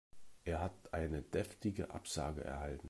Er hat eine deftige Absage erhalten.